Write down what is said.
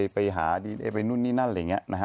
ไปหาดีเอไปนู่นนี่นั่นอะไรอย่างนี้นะฮะ